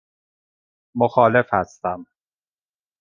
مخالف هستم.